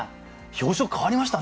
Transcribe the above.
表情変わりましたね。